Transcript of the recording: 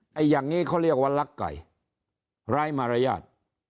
อย่างนี้เขาเรียกว่ารักไก่ร้ายมารยาท